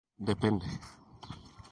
Depende